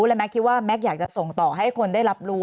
และแม็กคิดว่าแม็กซ์อยากจะส่งต่อให้คนได้รับรู้